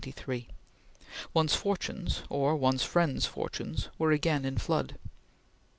One's fortunes, or one's friends' fortunes, were again in flood.